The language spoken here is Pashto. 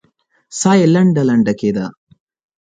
ساه يې لنډه لنډه کېده.